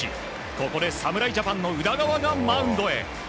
ここで侍ジャパンの宇田川がマウンドへ。